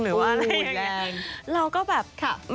เราก็แบบ